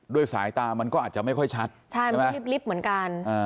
ด้วยสายตามันก็อาจจะไม่ค่อยชัดใช่ไหมใช่มันก็ลิบเหมือนกัน